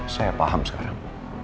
saya paham sekarang